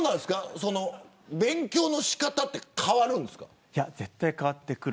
勉強の仕方って変わるんですか。